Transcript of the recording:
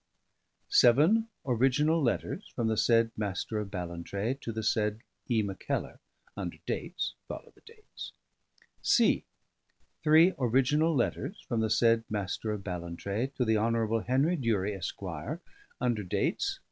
Seven original letters from the said M^r of Ballantrae to the said E. Mackellar, under dates ... (follow the dates). C. Three original letters from the said M^r of Ballantrae to the Hon. Henry Durie, Esq., under dates